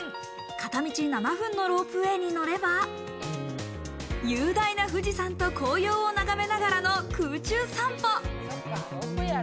片道７分のロープウェーに乗れば、雄大な富士山と紅葉を眺めながらの空中散歩。